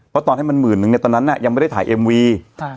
เพราะตอนให้มันหมื่นนึงเนี่ยตอนนั้นยังไม่ได้ถ่ายเอ็มวี